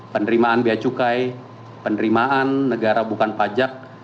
penerimaan biaya cukai penerimaan negara bukan pajak